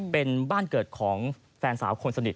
เป็นบ้านเกิดของแฟนสาวคนสนิท